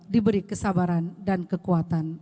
diberi kesabaran dan kekuasaan